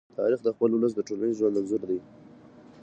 تاریخ د خپل ولس د ټولنیز ژوند انځور دی.